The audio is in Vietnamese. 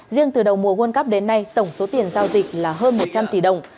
riêng từ đầu mùa world cup đến nay tổng số tiền giao dịch là hơn một trăm linh tỷ đồng